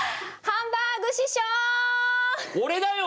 ハンバーグだよ！